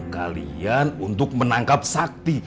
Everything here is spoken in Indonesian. kalian untuk menangkap sakti